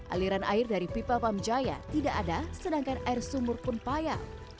aliran air dari pipa pamjaya tidak ada sedangkan air sumur pun payah